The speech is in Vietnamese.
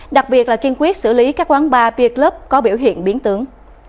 đặc biệt là kiên quyết xử lý các quán bar piệt lớp có biểu hiện biến tướng